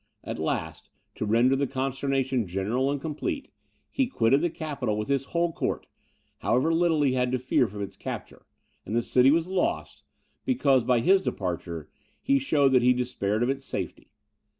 At last, to render the consternation general and complete, he quitted the capital with his whole court, however little he had to fear from its capture; and the city was lost, because, by his departure, he showed that he despaired of its safety.